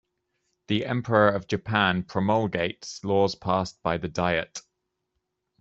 The Emperor of Japan promulgates laws passed by the Diet.